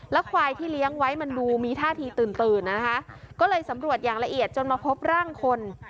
ควายที่เลี้ยงไว้มันดูมีท่าทีตื่นตื่นนะคะก็เลยสำรวจอย่างละเอียดจนมาพบร่างคน